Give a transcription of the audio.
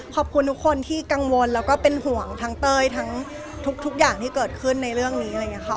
ขอบคุณทุกคนที่กังวลแล้วก็เป็นห่วงทั้งเต้ยทั้งทุกอย่างที่เกิดขึ้นในเรื่องนี้อะไรอย่างนี้ค่ะ